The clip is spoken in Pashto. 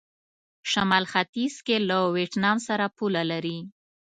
شمال ختيځ کې له ویتنام سره پوله لري.